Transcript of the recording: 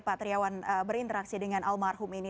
pak triawan berinteraksi dengan almarhum ini